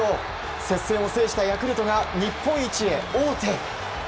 接戦を制したヤクルトが日本一へ王手へ。